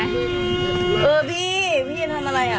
เออพี่พี่เฮียนทำอะไรอ่ะ